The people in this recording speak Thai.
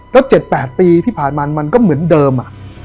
แล้ว๗๘ปีที่ผ่านมามันก็เหมือนเดิม